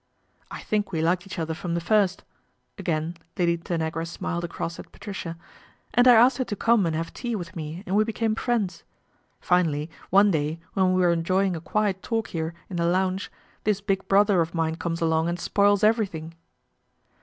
I think we liked each other from the first," Lady Tanagra smiled across at Patricia, d I asked her to come and have tea with and we became friends. Finally, one day en we were enjoying a quiet talk here in the .nge, this big brother of mine comes along and spils everything."